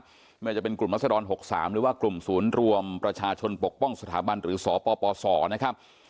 ไม่ว่าจะเป็นกลุ่มรัศดร๖๓หรือว่ากลุ่มศูนย์รวมประชาชนปกป้องสถาบันหรือสปสนะครับ